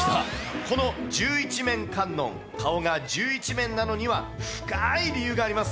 この十一面観音、顔が１１面なのには、深い理由があります。